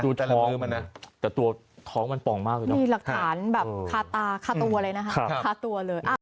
ดูท้องมันนะแต่ตัวท้องมันป่องมากจริงมีหลักฐานแบบค่าตาค่าตัวเลยนะครับ